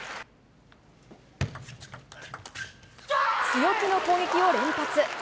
強気の攻撃を連発。